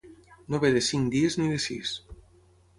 No ve de cinc dies ni de sis.